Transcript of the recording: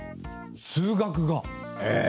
数学が？ええ。